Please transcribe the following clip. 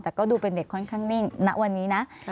แต่ก็ดูเป็นเด็กค่อนข้างนิ่งณวันนี้นะ